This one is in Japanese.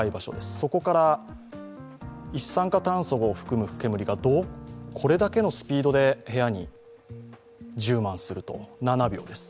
そこから一酸化炭素を含む煙がこれだけのスピードで部屋に充満する、７秒です。